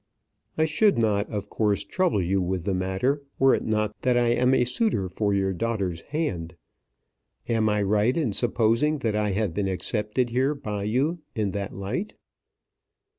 I should not, of course, trouble you with the matter were it not that I am a suitor for your daughter's hand. Am I right in supposing that I have been accepted here by you in that light?"